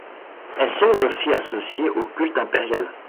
Elles sont aussi associées au culte impérial.